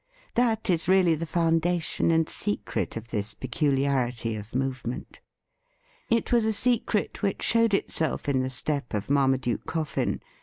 That is really the foundation and secret of this peculiarity of movement. It was a secret which showed itself in the step of Marmaduke Coffin.